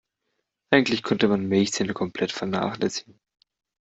Eigentlich könnte man Milchzähne komplett vernachlässigen.